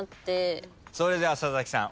それでは佐々木さん